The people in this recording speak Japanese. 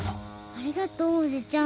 ありがとうおじちゃん。